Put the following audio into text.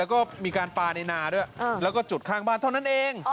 แล้วก็มีการปลาในนาด้วยแล้วก็จุดข้างบ้านเท่านั้นเอง